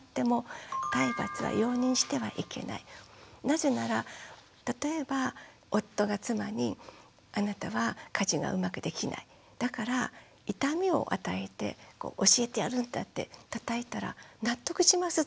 なぜなら例えば夫が妻に「あなたは家事がうまくできないだから痛みを与えて教えてやるんだ」ってたたいたら納得します？